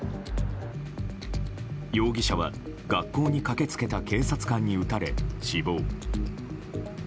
容疑者は、学校に駆け付けた警察官に撃たれ死亡。